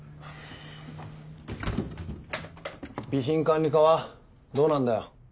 備品管理課はどうなんだよ？